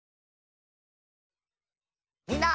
みんな。